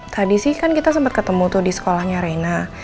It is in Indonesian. tadi sih kan kita sempat ketemu tuh di sekolahnya reina